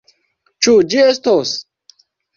Ĉu ĝi estos?